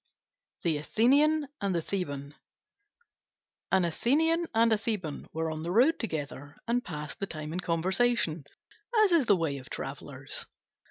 THE ATHENIAN AND THE THEBAN An Athenian and a Theban were on the road together, and passed the time in conversation, as is the way of travellers.